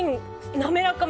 滑らか？